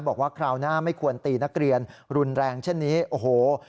คราวหน้าไม่ควรตีนักเรียนรุนแรงเช่นนี้โอ้โห